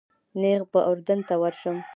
نیغ به اردن ته ورشم.